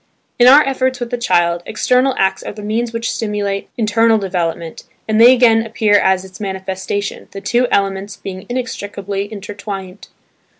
In our efforts with the child, external acts are the means which stimulate internal development, and they again appear as its manifestation, the two elements being inextricably intertwined.